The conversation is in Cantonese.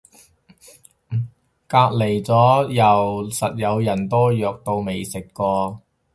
隔離咗右實有人多藥到未食過